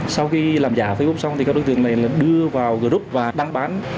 sau khi làm giả facebook xong các đối tượng này đưa vào group và đăng bán